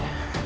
pada saat ini